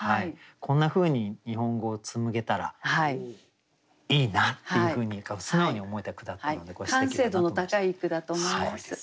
こんなふうに日本語を紡げたらいいなっていうふうに素直に思えた句だったのですてきだなと思いました。